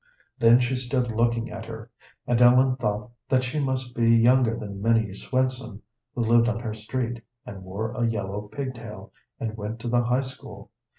Then she stood looking at her, and Ellen thought that she must be younger than Minnie Swensen, who lived on her street, and wore a yellow pigtail, and went to the high school.